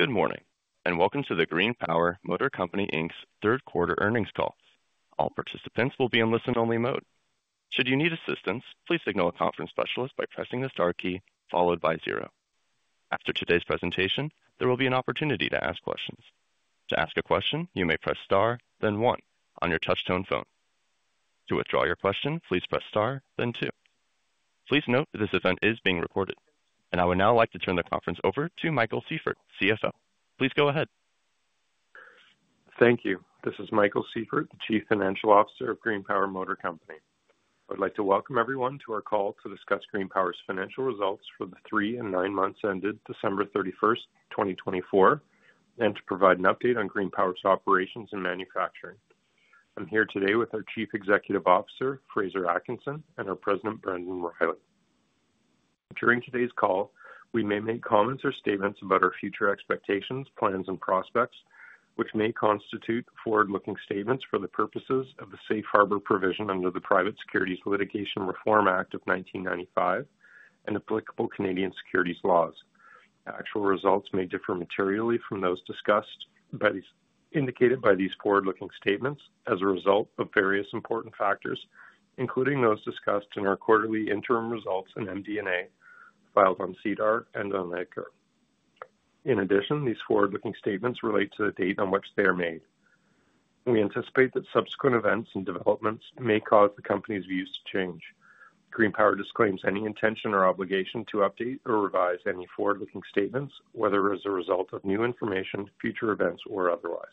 Good morning, and welcome to the GreenPower Motor Company Third Quarter Earnings Call. All participants will be in listen-only mode. Should you need assistance, please signal a conference specialist by pressing the star key followed by zero. After today's presentation, there will be an opportunity to ask questions. To ask a question, you may press star, then one, on your touch-tone phone. To withdraw your question, please press star, then two. Please note that this event is being recorded, and I would now like to turn the conference over to Michael Sieffert, CFO. Please go ahead. Thank you. This is Michael Sieffert, Chief Financial Officer of GreenPower Motor Company. I would like to welcome everyone to our call to discuss GreenPower's financial results for the three and nine months ended December 31, 2024, and to provide an update on GreenPower's operations and manufacturing. I'm here today with our Chief Executive Officer, Fraser Atkinson, and our President, Brendan Riley. During today's call, we may make comments or statements about our future expectations, plans, and prospects, which may constitute forward-looking statements for the purposes of the Safe Harbor Provision under the Private Securities Litigation Reform Act of 1995 and applicable Canadian securities laws. Actual results may differ materially from those indicated by these forward-looking statements as a result of various important factors, including those discussed in our quarterly interim results and MD&A filed on SEDAR and on EDGAR. In addition, these forward-looking statements relate to the date on which they are made. We anticipate that subsequent events and developments may cause the company's views to change. GreenPower disclaims any intention or obligation to update or revise any forward-looking statements, whether as a result of new information, future events, or otherwise.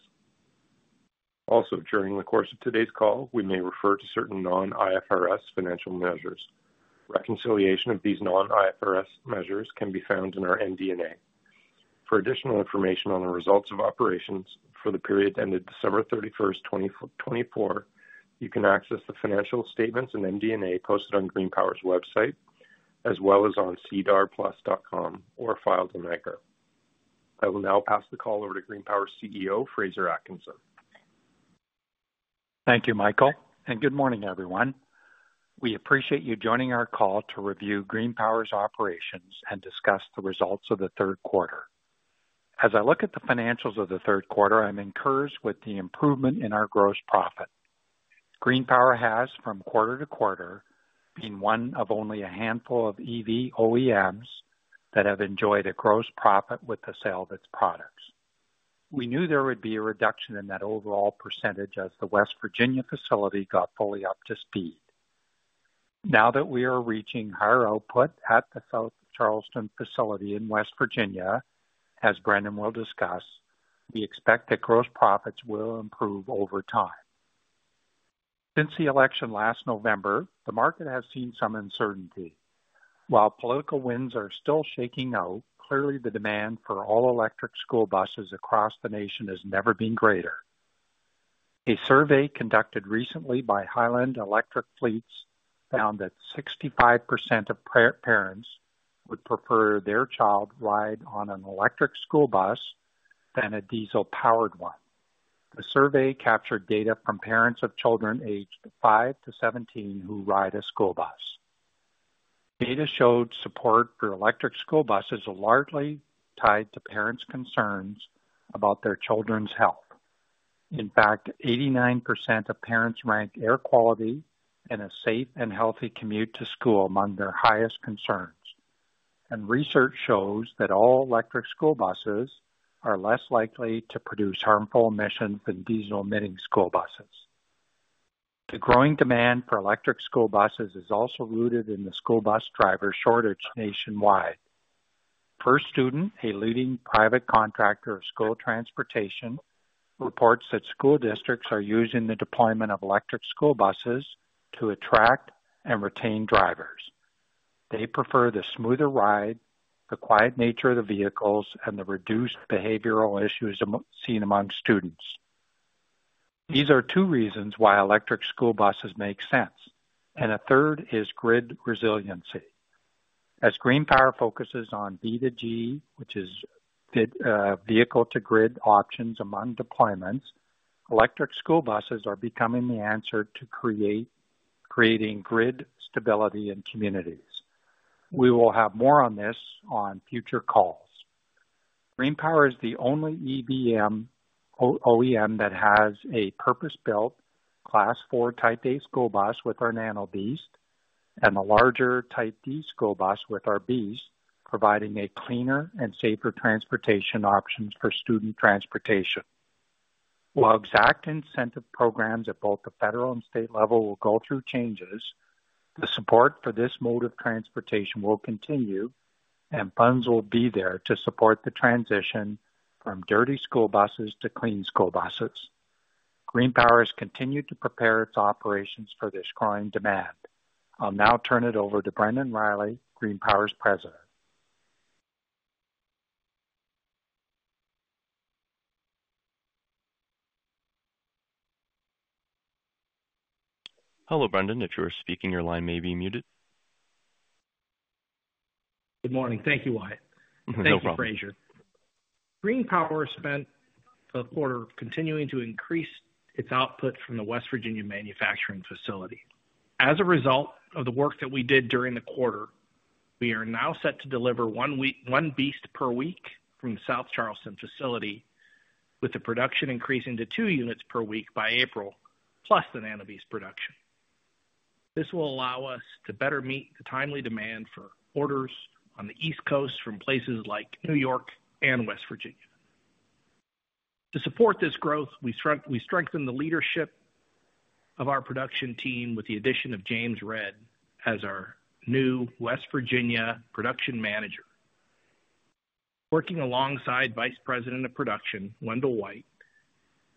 Also, during the course of today's call, we may refer to certain non-IFRS financial measures. Reconciliation of these non-IFRS measures can be found in our MD&A. For additional information on the results of operations for the period ended December 31, 2024, you can access the financial statements and MD&A posted on GreenPower's website as well as on sedarplus.com or filed on EDGAR. I will now pass the call over to GreenPower's CEO, Fraser Atkinson. Thank you, Michael, and good morning, everyone. We appreciate you joining our call to review GreenPower's operations and discuss the results of the third quarter. As I look at the financials of the third quarter, I'm encouraged with the improvement in our gross profit. GreenPower has, from quarter to quarter, been one of only a handful of EV OEMs that have enjoyed a gross profit with the sale of its products. We knew there would be a reduction in that overall percentage as the West Virginia facility got fully up to speed. Now that we are reaching higher output at the South Charleston facility in West Virginia, as Brendan will discuss, we expect that gross profits will improve over time. Since the election last November, the market has seen some uncertainty. While political winds are still shaking out, clearly the demand for all-electric school buses across the nation has never been greater. A survey conducted recently by Highland Electric Fleets found that 65% of parents would prefer their child ride on an electric school bus than a diesel-powered one. The survey captured data from parents of children aged 5-17 who ride a school bus. Data showed support for electric school buses is largely tied to parents' concerns about their children's health. In fact, 89% of parents rank air quality and a safe and healthy commute to school among their highest concerns. Research shows that all-electric school buses are less likely to produce harmful emissions than diesel-emitting school buses. The growing demand for electric school buses is also rooted in the school bus driver shortage nationwide. First Student, a leading private contractor of school transportation, reports that school districts are using the deployment of electric school buses to attract and retain drivers. They prefer the smoother ride, the quiet nature of the vehicles, and the reduced behavioral issues seen among students. These are two reasons why electric school buses make sense, and a third is grid resiliency. As GreenPower focuses on V2G, which is vehicle-to-grid options among deployments, electric school buses are becoming the answer to creating grid stability in communities. We will have more on this on future calls. GreenPower is the only EV OEM that has a purpose-built Class 4 Type A school bus with our Nano BEAST and a larger Type D school bus with our BEAST, providing cleaner and safer transportation options for student transportation. While exact incentive programs at both the federal and state level will go through changes, the support for this mode of transportation will continue, and funds will be there to support the transition from dirty school buses to clean school buses. GreenPower has continued to prepare its operations for this growing demand. I'll now turn it over to Brendan Riley, GreenPower's President. Hello, Brendan. If you are speaking, your line may be muted. Good morning. Thank you, Wyatt. Thank you, Fraser. GreenPower spent the quarter continuing to increase its output from the West Virginia manufacturing facility. As a result of the work that we did during the quarter, we are now set to deliver one BEAST per week from the South Charleston facility, with the production increasing to two units per week by April, plus the Nano BEAST production. This will allow us to better meet the timely demand for orders on the East Coast from places like New York and West Virginia. To support this growth, we strengthened the leadership of our production team with the addition of James Redd as our new West Virginia production manager. Working alongside Vice President of Production, Wendell White,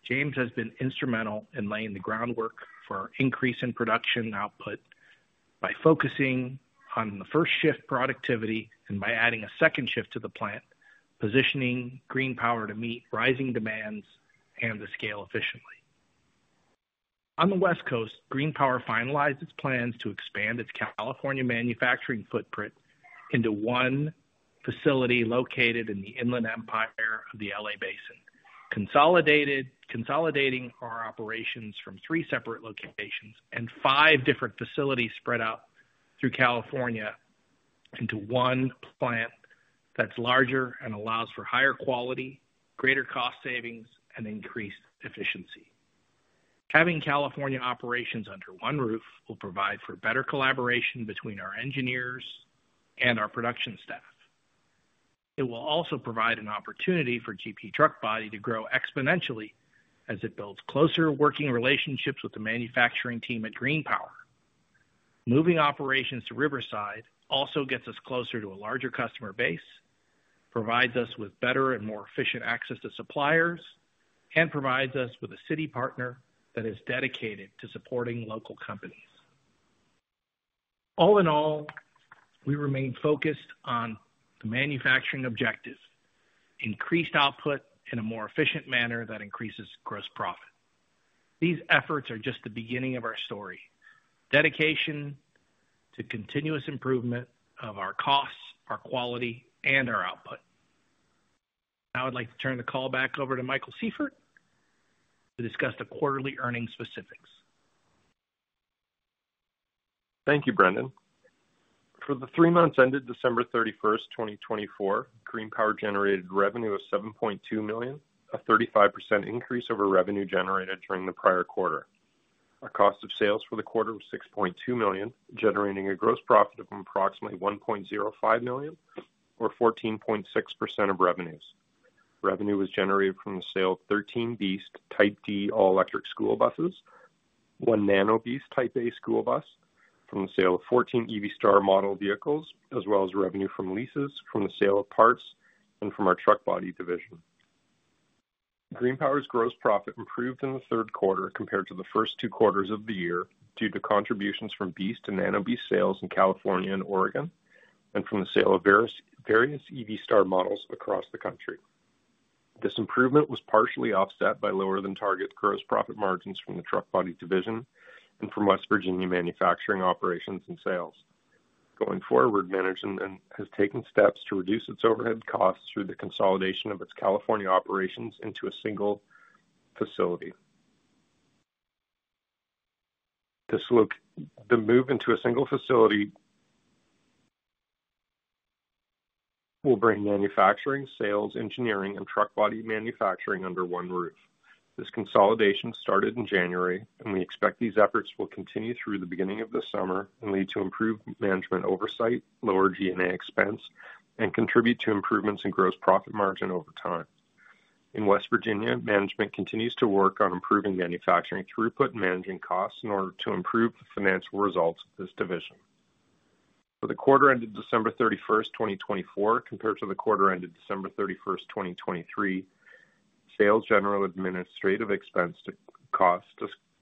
James has been instrumental in laying the groundwork for our increase in production output by focusing on the first shift productivity and by adding a second shift to the plant, positioning GreenPower to meet rising demands and to scale efficiently. On the West Coast, GreenPower finalized its plans to expand its California manufacturing footprint into one facility located in the Inland Empire of the LA Basin, consolidating our operations from three separate locations and five different facilities spread out through California into one plant that's larger and allows for higher quality, greater cost savings, and increased efficiency. Having California operations under one roof will provide for better collaboration between our engineers and our production staff. It will also provide an opportunity for GP Truck Body to grow exponentially as it builds closer working relationships with the manufacturing team at GreenPower. Moving operations to Riverside also gets us closer to a larger customer base, provides us with better and more efficient access to suppliers, and provides us with a city partner that is dedicated to supporting local companies. All in all, we remain focused on the manufacturing objectives: increased output in a more efficient manner that increases gross profit. These efforts are just the beginning of our story: dedication to continuous improvement of our costs, our quality, and our output. Now I'd like to turn the call back over to Michael Sieffert to discuss the quarterly earnings specifics. Thank you, Brendan. For the three months ended December 31, 2024, GreenPower generated revenue of $7.2 million, a 35% increase over revenue generated during the prior quarter. Our cost of sales for the quarter was $6.2 million, generating a gross profit of approximately $1.05 million, or 14.6% of revenues. Revenue was generated from the sale of 13 BEAST Type D all-electric school buses, one Nano BEAST Type A school bus, from the sale of 14 EV Star model vehicles, as well as revenue from leases, from the sale of parts, and from our Truck Body division. GreenPower's gross profit improved in the third quarter compared to the first two quarters of the year due to contributions from BEAST and Nano BEAST sales in California and Oregon, and from the sale of various EV Star models across the country. This improvement was partially offset by lower-than-target gross profit margins from the Truck Body division and from West Virginia manufacturing operations and sales. Going forward, management has taken steps to reduce its overhead costs through the consolidation of its California operations into a single facility. The move into a single facility will bring manufacturing, sales, engineering, and Truck Body manufacturing under one roof. This consolidation started in January, and we expect these efforts will continue through the beginning of the summer and lead to improved management oversight, lower G&A expense, and contribute to improvements in gross profit margin over time. In West Virginia, management continues to work on improving manufacturing throughput and managing costs in order to improve the financial results of this division. For the quarter ended December 31, 2024, compared to the quarter ended December 31, 2023, Sales, General, and Administrative expense costs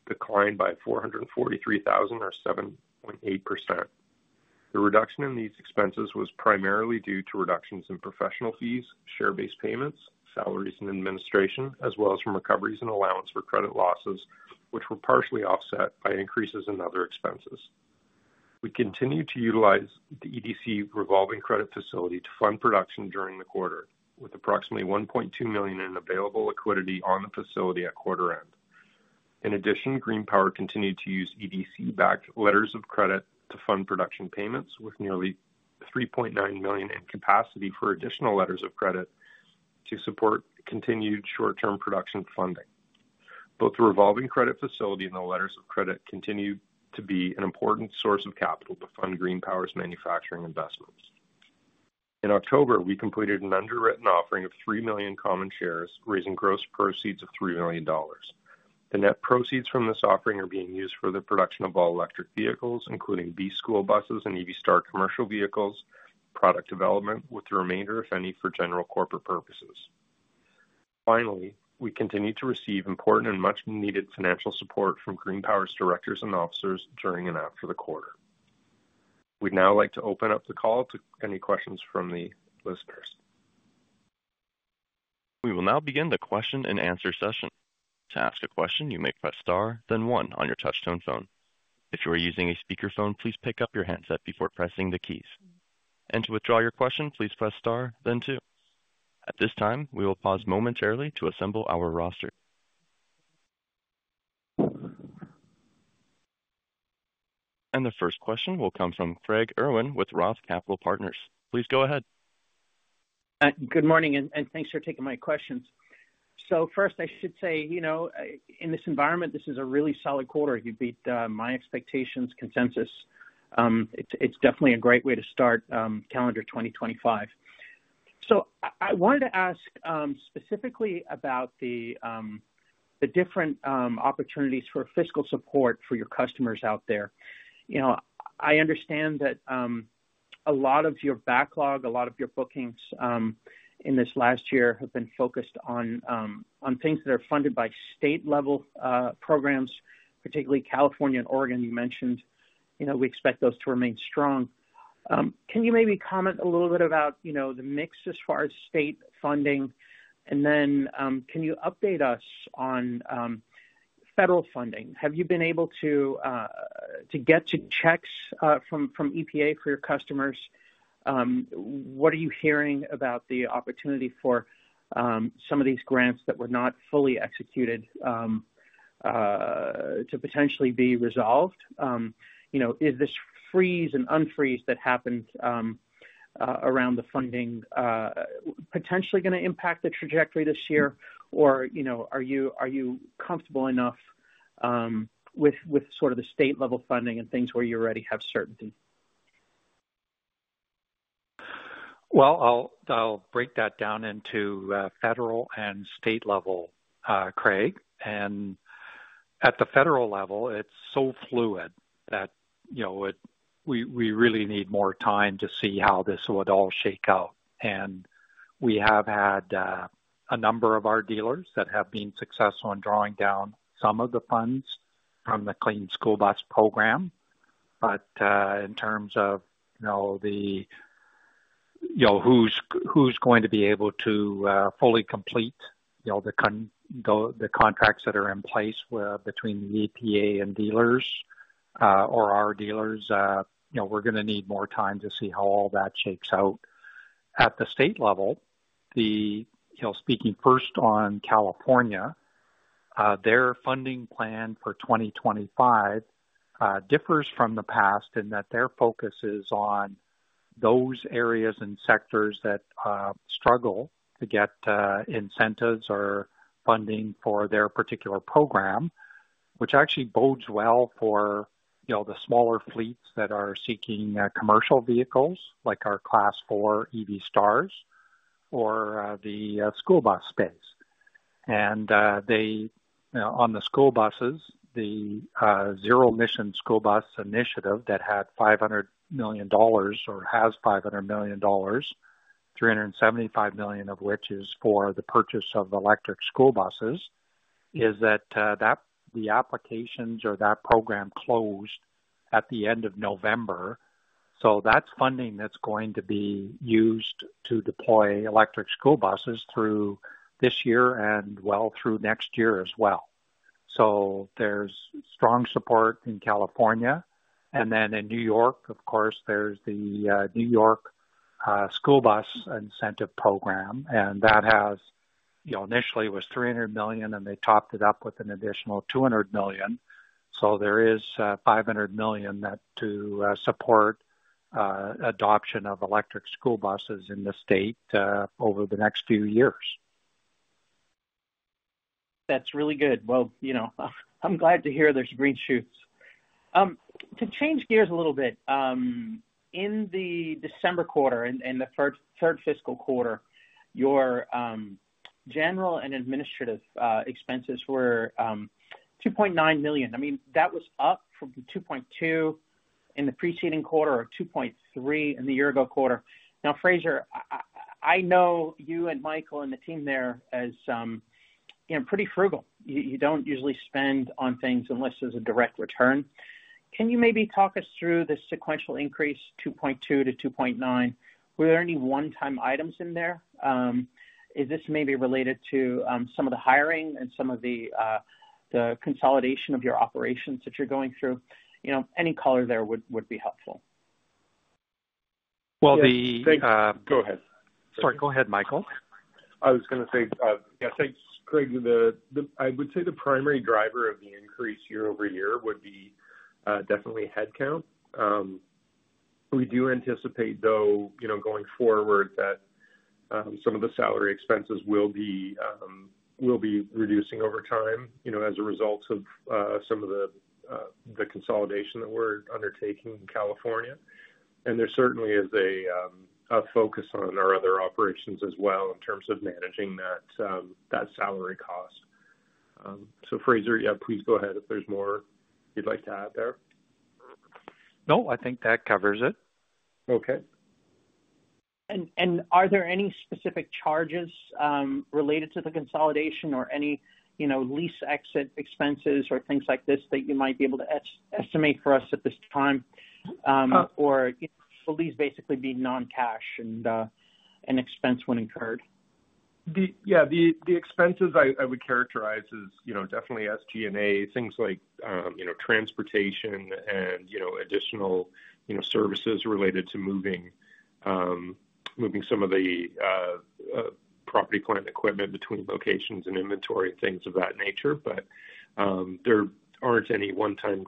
declined by $443,000, or 7.8%. The reduction in these expenses was primarily due to reductions in professional fees, share-based payments, salaries in administration, as well as from recoveries and allowance for credit losses, which were partially offset by increases in other expenses. We continue to utilize the EDC revolving credit facility to fund production during the quarter, with approximately $1.2 million in available liquidity on the facility at quarter end. In addition, GreenPower continued to use EDC-backed letters of credit to fund production payments, with nearly $3.9 million in capacity for additional letters of credit to support continued short-term production funding. Both the revolving credit facility and the letters of credit continue to be an important source of capital to fund GreenPower's manufacturing investments. In October, we completed an underwritten offering of 3 million common shares, raising gross proceeds of $3 million. The net proceeds from this offering are being used for the production of all-electric vehicles, including BEAST school buses and EV Star commercial vehicles, product development, with the remainder, if any, for general corporate purposes. Finally, we continue to receive important and much-needed financial support from GreenPower's directors and officers during and after the quarter. We'd now like to open up the call to any questions from the listeners. We will now begin the question-and-answer session. To ask a question, you may press star, then one on your touch-tone phone. If you are using a speakerphone, please pick up your handset before pressing the keys. To withdraw your question, please press star, then two. At this time, we will pause momentarily to assemble our roster. The first question will come from Craig Irwin with Roth Capital Partners. Please go ahead. Good morning, and thanks for taking my questions. First, I should say, you know, in this environment, this is a really solid quarter. You beat my expectations, consensus. It's definitely a great way to start calendar 2025. I wanted to ask specifically about the different opportunities for fiscal support for your customers out there. You know, I understand that a lot of your backlog, a lot of your bookings in this last year have been focused on things that are funded by state-level programs, particularly California and Oregon you mentioned. You know, we expect those to remain strong. Can you maybe comment a little bit about, you know, the mix as far as state funding? Can you update us on federal funding? Have you been able to get checks from EPA for your customers? What are you hearing about the opportunity for some of these grants that were not fully executed to potentially be resolved? You know, is this freeze and unfreeze that happened around the funding potentially going to impact the trajectory this year? Or, you know, are you comfortable enough with sort of the state-level funding and things where you already have certainty? I'll break that down into federal and state level, Craig. At the federal level, it's so fluid that, you know, we really need more time to see how this would all shake out. We have had a number of our dealers that have been successful in drawing down some of the funds from the Clean School Bus Program. In terms of, you know, who's going to be able to fully complete, you know, the contracts that are in place between the EPA and dealers or our dealers, you know, we're going to need more time to see how all that shakes out. At the state level, speaking first on California, their funding plan for 2025 differs from the past in that their focus is on those areas and sectors that struggle to get incentives or funding for their particular program, which actually bodes well for, you know, the smaller fleets that are seeking commercial vehicles like our Class 4 EV Stars or the school bus space. On the school buses, the Zero Emission School Bus Initiative that had $500 million or has $500 million, $375 million of which is for the purchase of electric school buses, is that the applications or that program closed at the end of November. That is funding that is going to be used to deploy electric school buses through this year and, you know, through next year as well. There is strong support in California. In New York, of course, there's the New York School Bus Incentive Program. That has, you know, initially was $300 million, and they topped it up with an additional $200 million. There is $500 million to support adoption of electric school buses in the state over the next few years. That's really good. You know, I'm glad to hear there's green shoots. To change gears a little bit, in the December quarter, in the third fiscal quarter, your general and administrative expenses were $2.9 million. I mean, that was up from $2.2 million in the preceding quarter or $2.3 million in the year-ago quarter. Now, Fraser, I know you and Michael and the team there as, you know, pretty frugal. You don't usually spend on things unless there's a direct return. Can you maybe talk us through this sequential increase, $2.2 million-$2.9 million? Were there any one-time items in there? Is this maybe related to some of the hiring and some of the consolidation of your operations that you're going through? You know, any color there would be helpful. Well, the. Craig, go ahead. Sorry, go ahead, Michael. I was going to say, yeah, thanks, Craig. I would say the primary driver of the increase year over year would be definitely headcount. We do anticipate, though, you know, going forward that some of the salary expenses will be reducing over time, you know, as a result of some of the consolidation that we're undertaking in California. There certainly is a focus on our other operations as well in terms of managing that salary cost. Fraser, yeah, please go ahead if there's more you'd like to add there. No, I think that covers it. Okay. Are there any specific charges related to the consolidation or any, you know, lease exit expenses or things like this that you might be able to estimate for us at this time? Or will these basically be non-cash and an expense when incurred? Yeah, the expenses I would characterize as, you know, definitely SG&A, things like, you know, transportation and, you know, additional, you know, services related to moving some of the property plant equipment between locations and inventory and things of that nature. There aren't any one-time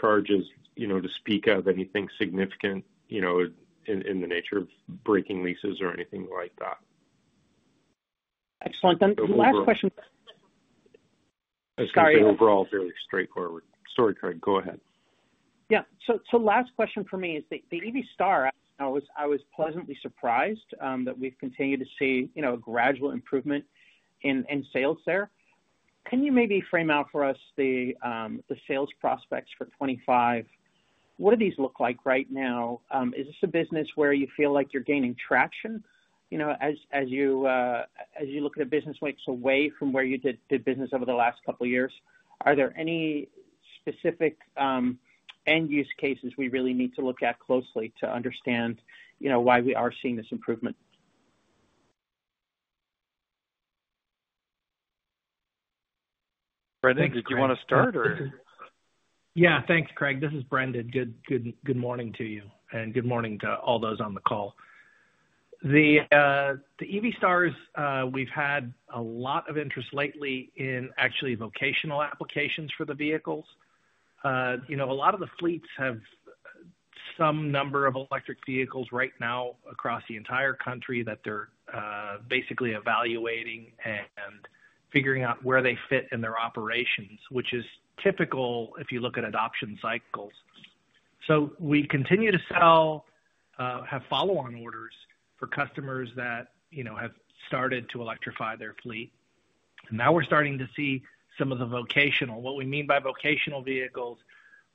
charges, you know, to speak of anything significant, you know, in the nature of breaking leases or anything like that. Excellent. The last question. I think the overall is very straightforward. Sorry, Craig, go ahead. Yeah. Last question for me is the EV Star. I was pleasantly surprised that we've continued to see, you know, a gradual improvement in sales there. Can you maybe frame out for us the sales prospects for 2025? What do these look like right now? Is this a business where you feel like you're gaining traction, you know, as you look at a business where it's away from where you did business over the last couple of years? Are there any specific end use cases we really need to look at closely to understand, you know, why we are seeing this improvement? Brendan, did you want to start or? Yeah, thanks, Craig. This is Brendan. Good morning to you. And good morning to all those on the call. The EV Stars, we've had a lot of interest lately in actually vocational applications for the vehicles. You know, a lot of the fleets have some number of electric vehicles right now across the entire country that they're basically evaluating and figuring out where they fit in their operations, which is typical if you look at adoption cycles. We continue to sell, have follow-on orders for customers that, you know, have started to electrify their fleet. And now we're starting to see some of the vocational. What we mean by vocational vehicles,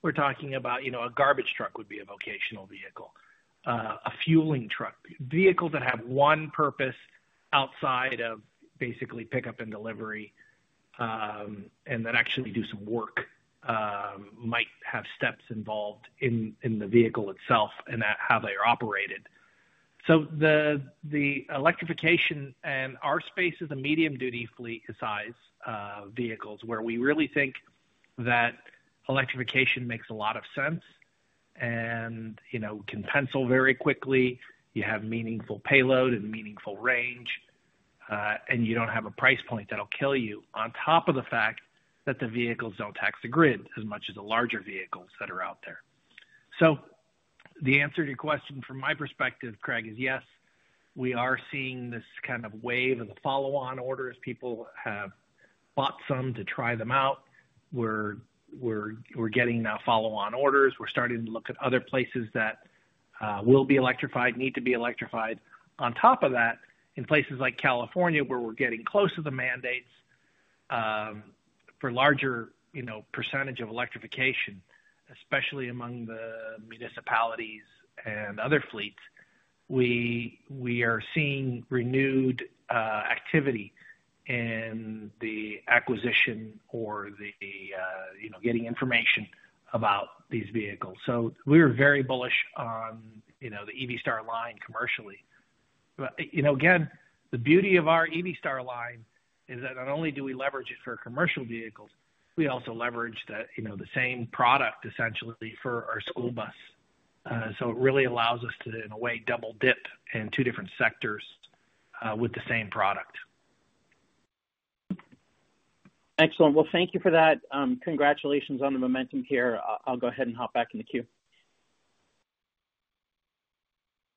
we're talking about, you know, a garbage truck would be a vocational vehicle, a fueling truck, vehicles that have one purpose outside of basically pickup and delivery and that actually do some work, might have steps involved in the vehicle itself and how they're operated. The electrification in our space is medium-duty fleet-size vehicles where we really think that electrification makes a lot of sense. You know, we can pencil very quickly. You have meaningful payload and meaningful range, and you don't have a price point that'll kill you on top of the fact that the vehicles don't tax the grid as much as the larger vehicles that are out there. The answer to your question from my perspective, Craig, is yes, we are seeing this kind of wave of the follow-on order as people have bought some to try them out. We're getting now follow-on orders. We're starting to look at other places that will be electrified, need to be electrified. On top of that, in places like California where we're getting close to the mandates for larger, you know, percentage of electrification, especially among the municipalities and other fleets, we are seeing renewed activity in the acquisition or the, you know, getting information about these vehicles. We were very bullish on, you know, the EV Star line commercially. But, you know, again, the beauty of our EV Star line is that not only do we leverage it for commercial vehicles, we also leverage the, you know, the same product essentially for our school bus. It really allows us to, in a way, double dip in two different sectors with the same product. Excellent. Thank you for that. Congratulations on the momentum here. I'll go ahead and hop back in the queue.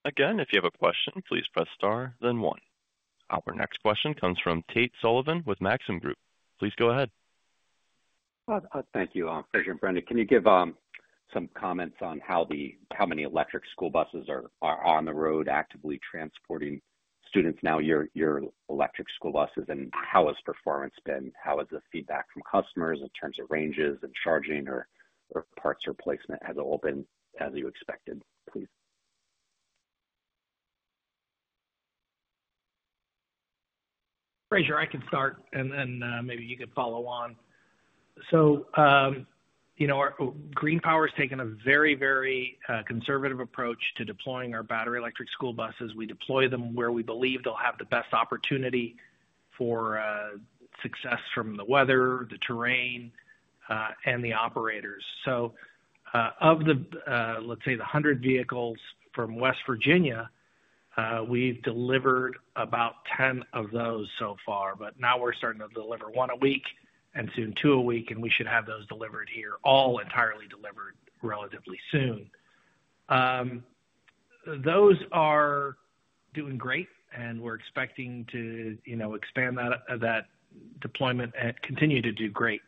Again, if you have a question, please press Star, then 1. Our next question comes from Tate Sullivan with Maxim Group. Please go ahead. Thank you, Fraser and Brendan. Can you give some comments on how many electric school buses are on the road actively transporting students now, your electric school buses, and how has performance been? How has the feedback from customers in terms of ranges and charging or parts replacement all been as you expected, please? Fraser, I can start, and then maybe you can follow on. You know, GreenPower has taken a very, very conservative approach to deploying our battery electric school buses. We deploy them where we believe they'll have the best opportunity for success from the weather, the terrain, and the operators. Of the, let's say, the 100 vehicles from West Virginia, we've delivered about 10 of those so far. Now we're starting to deliver one a week and soon two a week, and we should have those delivered here, all entirely delivered relatively soon. Those are doing great, and we're expecting to, you know, expand that deployment and continue to do great.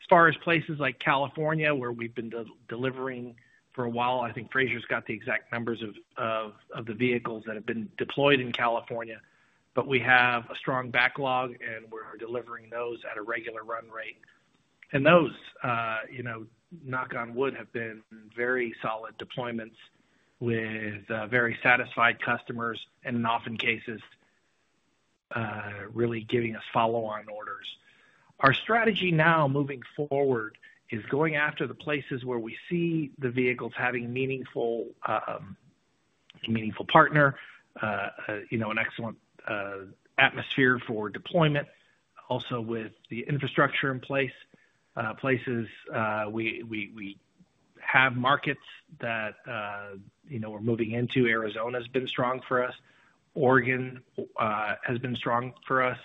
As far as places like California, where we've been delivering for a while, I think Fraser's got the exact numbers of the vehicles that have been deployed in California. We have a strong backlog, and we're delivering those at a regular run rate. Those, you know, knock on wood, have been very solid deployments with very satisfied customers and often cases really giving us follow-on orders. Our strategy now moving forward is going after the places where we see the vehicles having a meaningful partner, you know, an excellent atmosphere for deployment, also with the infrastructure in place. Places we have markets that, you know, we're moving into. Arizona has been strong for us. Oregon has been strong for us.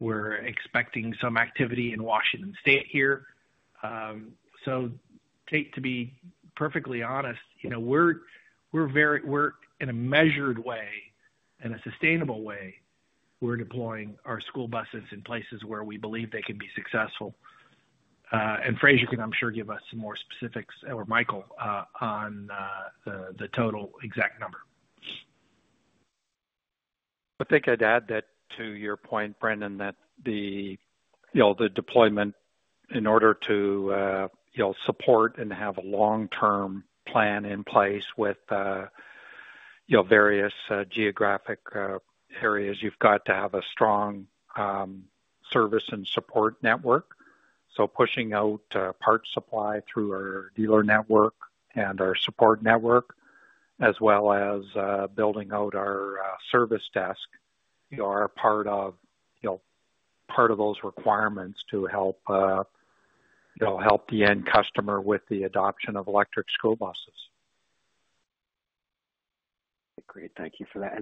We're expecting some activity in Washington State here. To be perfectly honest, you know, we're in a measured way, in a sustainable way, we're deploying our school buses in places where we believe they can be successful. Fraser can, I'm sure, give us some more specifics, or Michael, on the total exact number. I think I'd add that to your point, Brendan, that the, you know, the deployment, in order to, you know, support and have a long-term plan in place with, you know, various geographic areas, you've got to have a strong service and support network. Pushing out parts supply through our dealer network and our support network, as well as building out our service desk, you are part of, you know, part of those requirements to help the end customer with the adoption of electric school buses. Great. Thank you for that.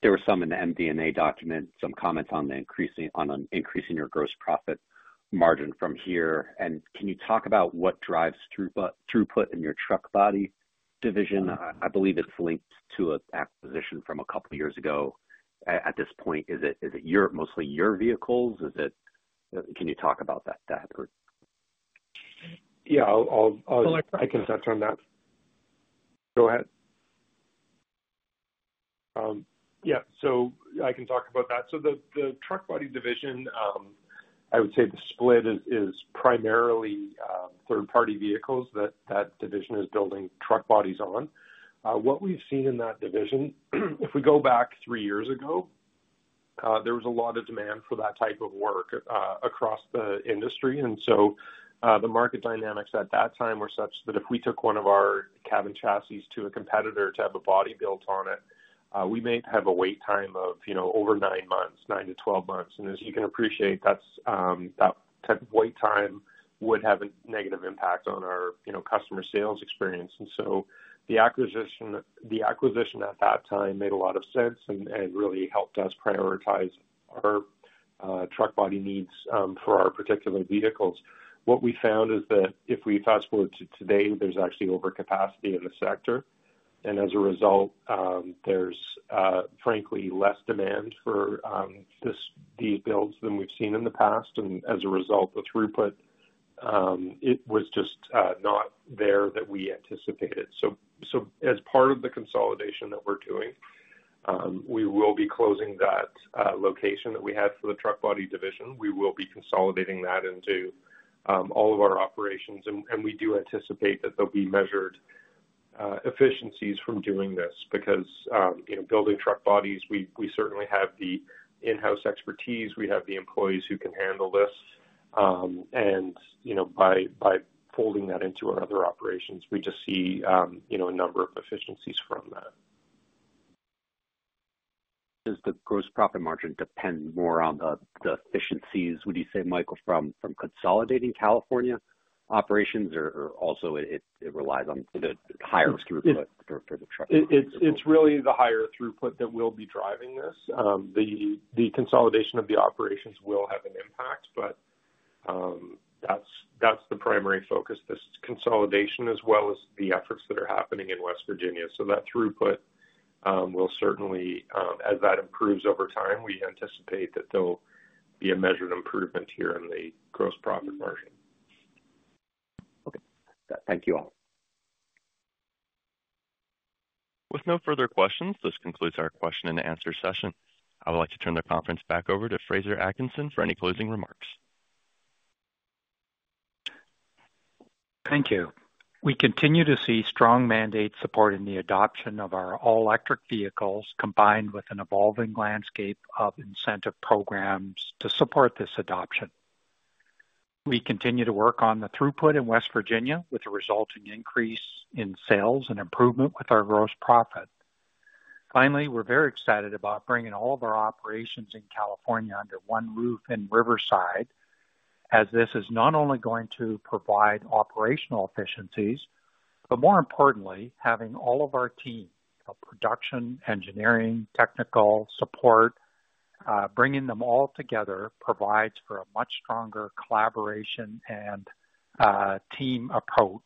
There were some in the MD&A document, some comments on increasing your gross profit margin from here. Can you talk about what drives throughput in your Truck Body division? I believe it's linked to an acquisition from a couple of years ago. At this point, is it mostly your vehicles? Can you talk about that? Yeah, I can touch on that. Go ahead. Yeah, I can talk about that. The Truck Body division, I would say the split is primarily third-party vehicles that that division is building truck bodies on. What we've seen in that division, if we go back three years ago, there was a lot of demand for that type of work across the industry. The market dynamics at that time were such that if we took one of our cab and chassis to a competitor to have a body built on it, we may have a wait time of, you know, over nine months, nine-twelve months. As you can appreciate, that type of wait time would have a negative impact on our, you know, customer sales experience. The acquisition at that time made a lot of sense and really helped us prioritize our truck body needs for our particular vehicles. What we found is that if we fast forward to today, there is actually overcapacity in the sector. As a result, there is, frankly, less demand for these builds than we have seen in the past. As a result, the throughput was just not there that we anticipated. As part of the consolidation that we are doing, we will be closing that location that we had for the Truck Body division. We will be consolidating that into all of our operations. We do anticipate that there will be measured efficiencies from doing this because, you know, building truck bodies, we certainly have the in-house expertise. We have the employees who can handle this. By folding that into our other operations, we just see, you know, a number of efficiencies from that. Does the gross profit margin depend more on the efficiencies, would you say, Michael, from consolidating California operations, or also it relies on the higher throughput for the truck? It's really the higher throughput that will be driving this. The consolidation of the operations will have an impact, but that's the primary focus, this consolidation, as well as the efforts that are happening in West Virginia. That throughput will certainly, as that improves over time, we anticipate that there'll be a measured improvement here in the gross profit margin. Okay. Thank you all. With no further questions, this concludes our question and answer session. I would like to turn the conference back over to Fraser Atkinson for any closing remarks. Thank you. We continue to see strong mandates supporting the adoption of our all-electric vehicles combined with an evolving landscape of incentive programs to support this adoption. We continue to work on the throughput in West Virginia with a resulting increase in sales and improvement with our gross profit. Finally, we're very excited about bringing all of our operations in California under one roof in Riverside, as this is not only going to provide operational efficiencies, but more importantly, having all of our team, production engineering, technical support, bringing them all together, provides for a much stronger collaboration and team approach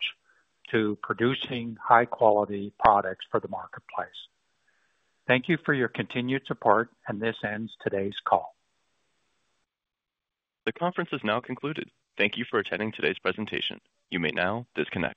to producing high-quality products for the marketplace. Thank you for your continued support, and this ends today's call. The conference is now concluded. Thank you for attending today's presentation. You may now disconnect.